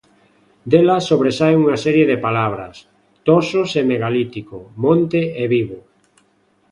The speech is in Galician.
Dela sobresaen unha serie de palabras: toxos e megalítico, monte e vivo.